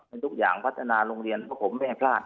ทุกอย่างพัฒนาโรงเรียนเพราะผมไม่ให้พลาด